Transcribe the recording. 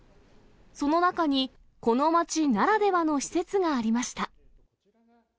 その中にこの町ならではの施設がありました。